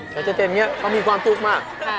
ขยับเจนก็มีความสุขมาก